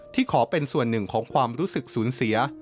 ขอเป็นส่วนหนึ่งของความรู้สึกสูญเสีย